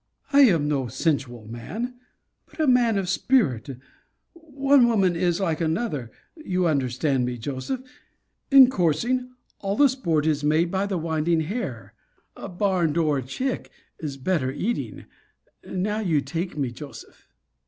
I am no sensual man: but a man of spirit one woman is like another you understand me, Joseph. In coursing, all the sport is made by the winding hare a barn door chick is better eating now you take me, Joseph.